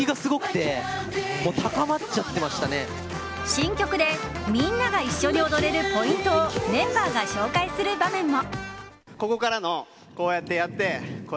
新曲でみんなが一緒に踊れるポイントをメンバーが紹介する場面も。